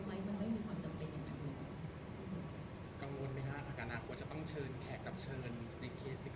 กังวล๕นาทค์ภาคด้านหากว่าจะต้องเชิญแขกรับเชิญในสติเคสที่ใกล้แบบนี้